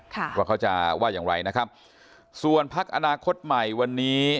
ก็เขาจะว่าอย่างไรนะครับส่วนพระการณาคตใหม่วันนี้